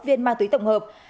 và hai túi ma túy tổng hợp